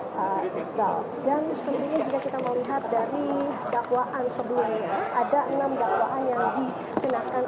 dan sementara ini juga kita melihat dari dakwaan sebelumnya ada enam dakwaan yang dikenakan